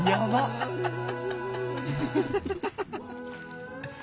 アハハハ。